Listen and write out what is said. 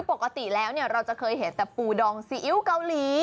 ปกติแล้วเราจะเคยเห็นแต่ปูดองซีอิ๊วเกาหลี